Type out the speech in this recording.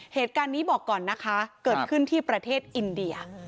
เหตุการณ์นี้บอกก่อนนะคะเกิดขึ้นที่ประเทศอินเดีย